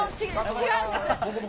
違うんです。